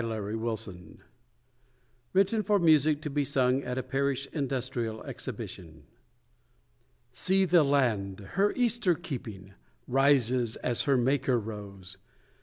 EASTER WEEK (Written for music to be sung at a parish industrial exhibition) See the land, her Easter keeping, Rises as her Maker rose.